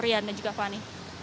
rian dan juga fani